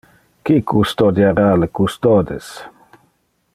Qui custodiara le custodes?